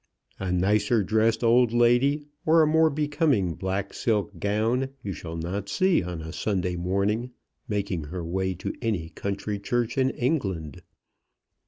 A nicer dressed old lady, or a more becoming black silk gown, you shall not see on a Sunday morning making her way to any country church in England.